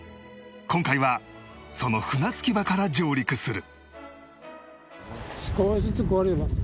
今回はその船着き場から上陸する